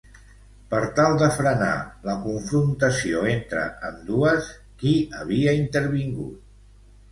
Per tal de frenar la confrontació entre ambdues, qui havia intervingut?